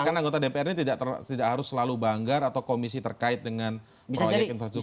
bahkan anggota dpr ini tidak harus selalu banggar atau komisi terkait dengan proyek infrastruktur